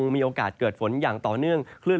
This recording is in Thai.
ก็จะมีการแผ่ลงมาแตะบ้างนะครับ